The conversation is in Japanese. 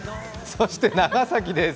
そして長崎です。